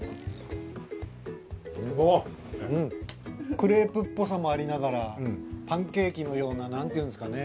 クレープっぽさもありながらパンケーキのようななんていうんですかね。